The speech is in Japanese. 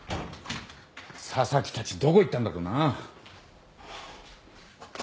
紗崎たちどこ行ったんだろうな？